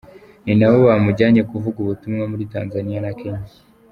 Ni nabo bamujyanye kuvuga ubutumwa muri Tanzania na Kenya.